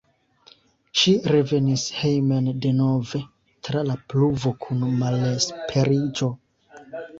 Ŝi revenis hejmen denove tra la pluvo kun malesperiĝo.